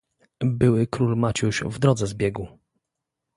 "Były król Maciuś w drodze zbiegł."